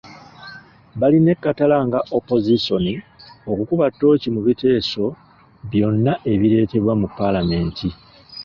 Balina ekkatala nga opozisoni okukuba ttooci mu biteeso byonna ebireetebwa mu Paalamenti .